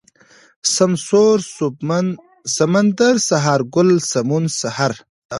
سمسور ، سوبمن ، سمندر ، سهارگل ، سمون ، سحر